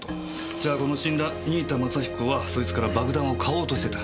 じゃあこの死んだ新井田政彦はそいつから爆弾を買おうとしてた。